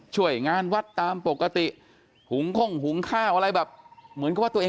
ช่วยงานวัดตามปกติหุงข้งหุงข้าวอะไรแบบเหมือนกับว่าตัวเอง